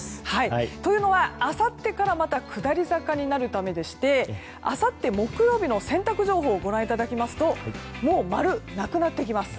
というのは、あさってからまた下り坂になるためでしてあさって木曜日の洗濯情報をご覧いただくともう〇がなくなってきます。